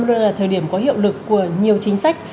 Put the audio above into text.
đây là thời điểm có hiệu lực của nhiều chính sách